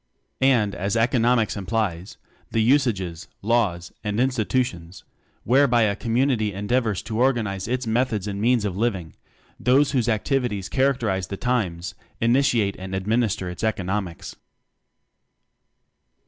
And, as Economics implies: the usages, laws, and institutions where by a community endeavors to or ganize its methods and means of living: those whose activities char acterize the times initiate and ad minister its economics.